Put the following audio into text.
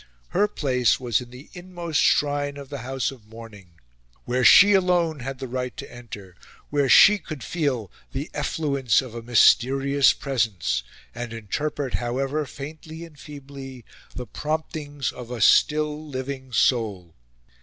Her place was in the inmost shrine of the house of mourning where she alone had the right to enter, where she could feel the effluence of a mysterious presence, and interpret, however faintly and feebly, the promptings of a still living soul.